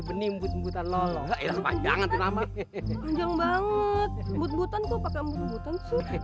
benih mbut mbutan lolos panjang nama nama jang banget mbut mbutan kok pake mbut mbutan suci